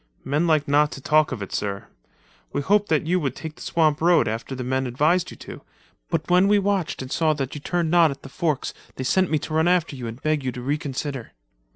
"Men like not to talk of it, sir. We hoped that you would take the swamp road after the men advised you to, but when we watched and saw that you turned not at the forks, they sent me to run after you and beg you to reconsider."